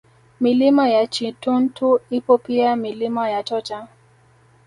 Milima ya Chituntu ipo pia Milima ya Chocha